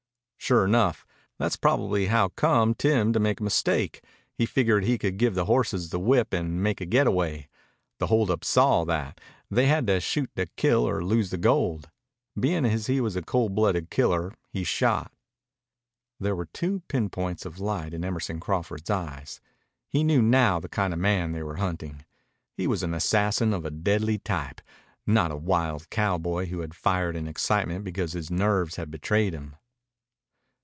"Sure enough. That's probably howcome Tim to make a mistake. He figured he could give the horses the whip and make a getaway. The hold up saw that. He had to shoot to kill or lose the gold. Bein' as he was a cold blooded killer he shot." There were pinpoints of light in Emerson Crawford's eyes. He knew now the kind of man they were hunting. He was an assassin of a deadly type, not a wild cowboy who had fired in excitement because his nerves had betrayed him.